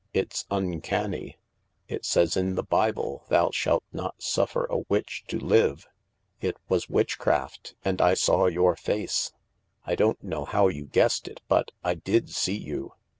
It's uncanny. It says in the Bible, ' Thou shalt not suffer a witch to live/ It was witchcraft — and I saw your face — I don't know how you guessed it, but I did see you.